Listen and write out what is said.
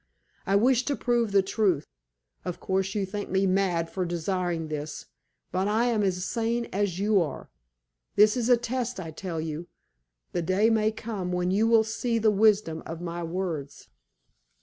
I wish to prove the truth. Of course you think me mad for desiring this, but I am as sane as you are. This is a test, I tell you. The day may come when you will see the wisdom of my words.